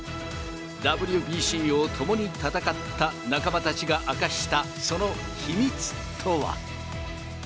ＷＢＣを共に戦った仲間たちが明かしたその秘密とは。